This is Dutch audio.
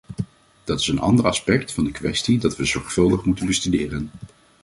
Dat is een ander aspect van de kwestie dat we zorgvuldig moeten bestuderen.